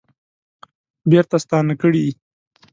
بیرته ستانه کړي